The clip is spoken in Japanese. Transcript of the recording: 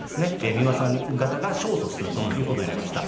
美馬さん方が勝訴するということになりました。